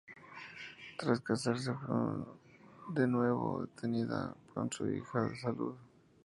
Tras casarse, fue de nuevo detenida con su hija Salud.